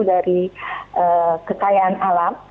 dari kekayaan alam